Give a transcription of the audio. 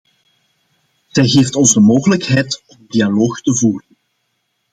Zij geeft ons de mogelijkheid om een dialoog te voeren.